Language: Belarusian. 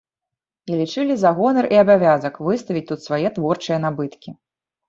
І лічылі за гонар і абавязак выставіць тут свае творчыя набыткі.